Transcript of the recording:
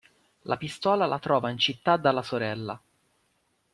La pistola la trova in città dalla sorella.